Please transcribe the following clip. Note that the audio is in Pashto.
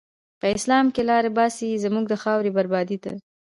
په اسلام کی لاری باسی، زموږ د خاوری بربادی ته